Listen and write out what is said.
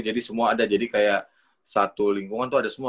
jadi semua ada jadi kayak satu lingkungan tuh ada semua